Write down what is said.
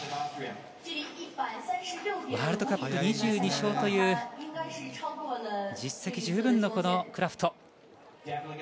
ワールドカップ２２勝という実績十分のクラフト。